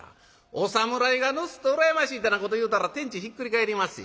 お侍がぬすっと羨ましいってなこと言うたら天地ひっくり返りまっせ」。